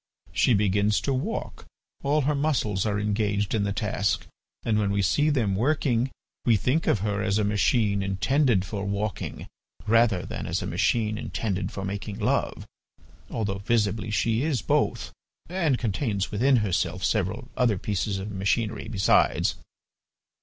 She begins to walk, all her muscles are engaged in the task, and, when we see them working, we think of her as a machine intended for walking rather than as a machine intended for making love, although visibly she is both, and contains within herself several other pieces of machinery, besides.